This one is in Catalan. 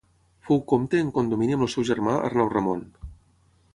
Fou comte en condomini amb el seu germà Arnau Ramon.